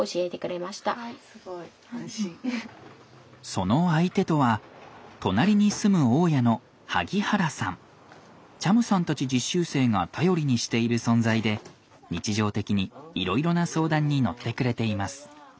その相手とは隣に住む大家のチャムさんたち実習生が頼りにしている存在で日常的にいろいろな相談に乗ってくれています。